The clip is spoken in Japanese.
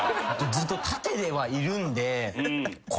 ずっと縦ではいるんで。